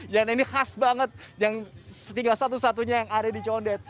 ini khas banget yang tinggal satu satunya yang ada di condet